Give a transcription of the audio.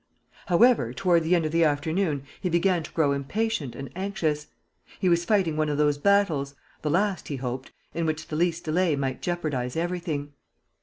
However, toward the end of the afternoon, he began to grow impatient and anxious. He was fighting one of those battles the last, he hoped in which the least delay might jeopardize everything.